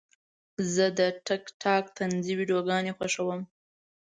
زه د ټک ټاک طنزي ویډیوګانې خوښوم.